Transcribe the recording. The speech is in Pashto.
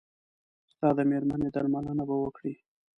ستا د مېرمنې درملنه به وکړي.